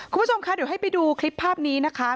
คุณผู้ชมคะเดี๋ยวให้ไปดูคลิปภาพนี้นะคะ